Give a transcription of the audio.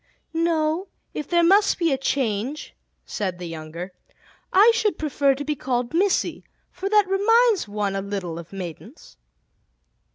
"No; if there must be a change," said the younger, "I should prefer to be called 'Missy,' for that reminds one a little of maidens."